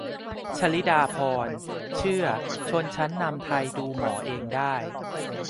'ชลิดาภรณ์' เชื่อชนชั้นนำไทยดูหมอเองได้